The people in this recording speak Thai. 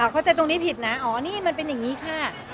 เข้าใจตรงนี้ผิดนะอ๋อนี่มันเป็นอย่างนี้ค่ะ